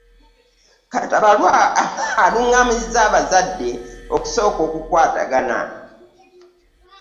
Katabalwa alungamizza abazadde okusooka okukwatagana.